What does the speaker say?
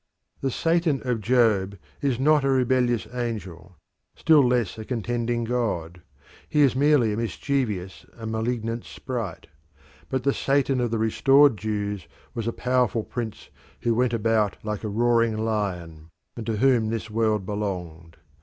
The Satan of Job is not a rebellious angel, still less a contending god: he is merely a mischievous and malignant sprite. But the Satan of the restored Jews was a powerful prince who went about like a roaring lion, and to whom this world belonged.